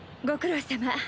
ご苦労さま。